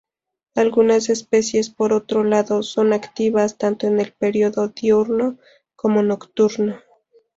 Algunas especies, por otro lado, son activas tanto en el período diurno como nocturno.